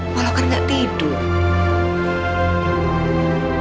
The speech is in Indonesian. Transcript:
kalau kan gak tidur